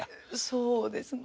そうですね。